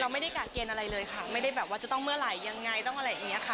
ไม่ได้กะเกณฑ์อะไรเลยค่ะไม่ได้แบบว่าจะต้องเมื่อไหร่ยังไงต้องอะไรอย่างนี้ค่ะ